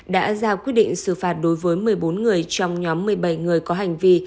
đã ra quyết định xử phạt đối với một mươi bốn người trong nhóm một mươi bảy người có hành vi